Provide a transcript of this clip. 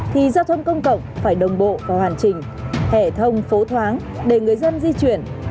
thì giao thông công cộng phải đồng bộ và hoàn chỉnh thể thông phố thoáng để người dân di chuyển